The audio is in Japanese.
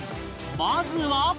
まずは